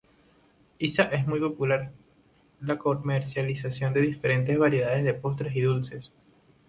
Iza es muy popular la comercialización de diferentes variedades de postres y dulces.